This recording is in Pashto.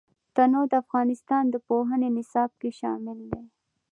تنوع د افغانستان د پوهنې نصاب کې شامل دي.